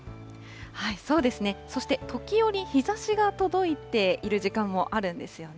そうですね、そして時折、日ざしが届いている時間もあるんですよね。